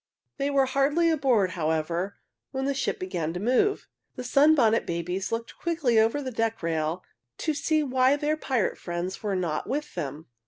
They were hardly aboard, however, when the ship began to move. The Sunbonnet Babies looked quickly over the deck rail to see why their pirate friends were not with them.